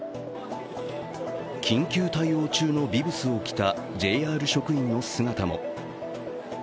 緊急対応中のビブスを着たＪＲ職員の姿も。